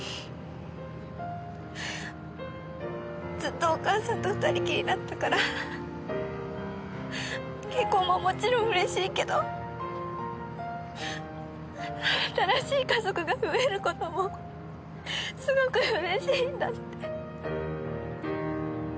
ずっとお母さんと２人きりだったから結婚ももちろん嬉しいけど新しい家族が増える事もすごく嬉しいんだって。